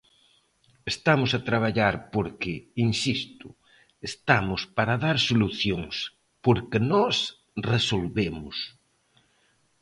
Estamos a traballar porque –insisto– estamos para dar solucións, porque nós resolvemos.